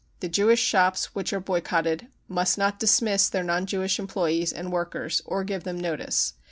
The Jewish shops which are boy cotted must not dismiss their non Jewish employees and workers, or give them notice.